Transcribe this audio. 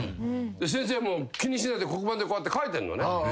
先生も気にしないで黒板でこうやって書いてんのね。